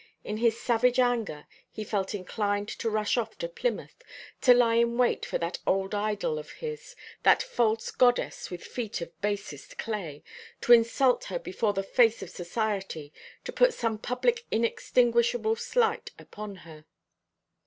In his savage anger he felt inclined to rush off to Plymouth, to lie in wait for that old idol of his that false goddess with feet of basest clay to insult her before the face of society, to put some public inextinguishable slight upon her.